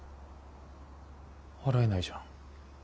払えないじゃん。